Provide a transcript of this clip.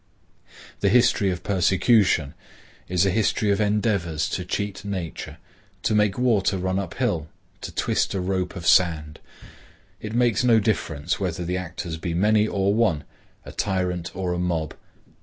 The history of persecution is a history of endeavors to cheat nature, to make water run up hill, to twist a rope of sand. It makes no difference whether the actors be many or one, a tyrant or a mob.